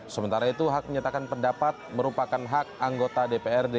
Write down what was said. sementara itu hak menyatakan pendapat merupakan hak anggota dprd